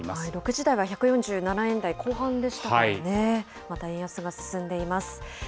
６時台は１４７円台後半でしたからね、また円安が進んでいます。